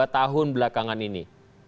dua tahun belakangan ini